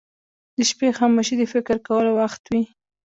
• د شپې خاموشي د فکر کولو وخت وي.